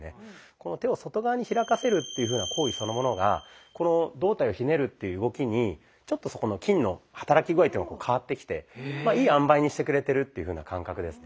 この手を外側に開かせるっていうふうな行為そのものがこの胴体をひねるっていう動きにちょっとそこの筋の働き具合というのが変わってきてまあいいあんばいにしてくれてるっていうふうな感覚ですね。